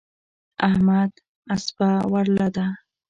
د احمد اسپه ورله ده.